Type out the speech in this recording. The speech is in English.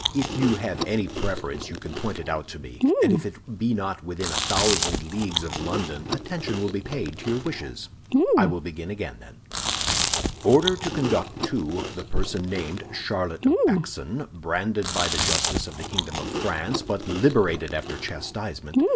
"If you have any preference you can point it out to me; and if it be not within a thousand leagues of London, attention will be paid to your wishes. I will begin again, then: "'Order to conduct to—the person named Charlotte Backson, branded by the justice of the kingdom of France, but liberated after chastisement.